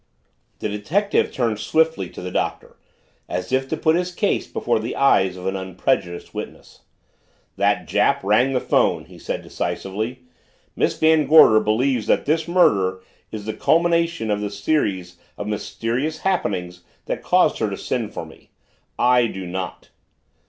The detective turned swiftly to the Doctor, as if to put his case before the eyes of an unprejudiced witness. "That Jap rang the phone," he said decisively. "Miss Van Gorder believes that this murder is the culmination of the series of mysterious happenings that caused her to send for me. I do not."